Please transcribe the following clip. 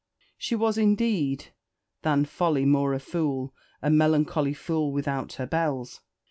She was indeed "than folly more a fool a melancholy fool without her bells."